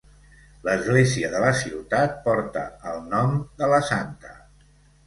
L'església de la ciutat porta el nom de la santa.